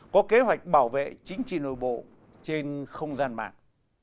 có kế hoạch bảo vệ chính trị nội bộ trên không gian mạng